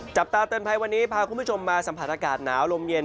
จับตาเตือนภัยวันนี้พาคุณผู้ชมมาสัมผัสอากาศหนาวลมเย็น